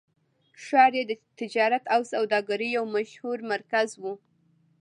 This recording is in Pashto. ښار یې د تجارت او سوداګرۍ یو مشهور مرکز و.